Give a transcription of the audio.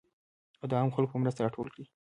او د عامو خلکو په مرسته راټول کړي .